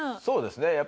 そうですね。